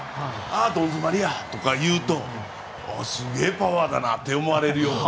どんづまりやとか言うとすごいパワーだなと思われるように。